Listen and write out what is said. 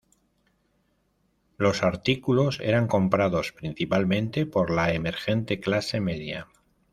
Los artículos eran comprados principalmente por la emergente clase media.